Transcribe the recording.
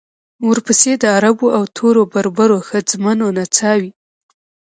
ورپسې د عربو او تورو بربرو ښځمنو نڅاوې.